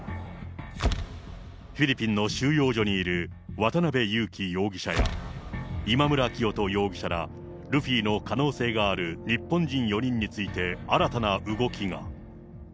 フィリピンの収容所にいる渡辺優樹容疑者や、今村磨人容疑者ら、ルフィの可能性がある日本人４人について、新たな動きが。